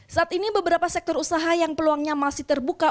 saat ini beberapa sektor usaha yang peluangnya masih terbuka